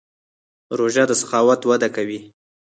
روژه د سخاوت وده کوي.